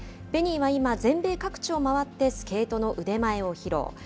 ベニーは今、全米各地を回って、スケートの腕前を披露。